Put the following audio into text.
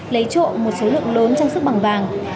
lấy trộm một số lượng lớn trang sức bằng vàng